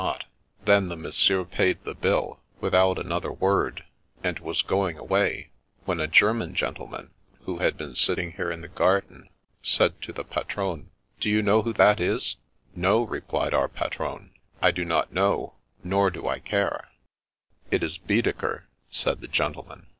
Then The Little Game of Flirtation 211 the monsieur paid the bill, without another word, and was going away, when a German gentleman, who had been sitting here in the garden, said to the patron: * Do you know who that is ?'* No,' re plied our patron, * I do not know, nor do I care/ ' It is Baedeker/ said the gentleman.